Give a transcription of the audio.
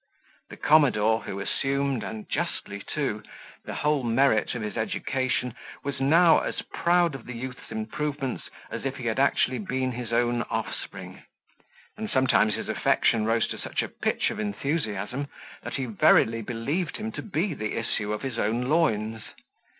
The commodore, who assumed, and justly too, the whole merit of his education, was now as proud of the youth's improvements as if he had actually been his own offspring; and sometimes his affection rose to such a pitch of enthusiasm, that he verily believed him to be the issue of his own loins.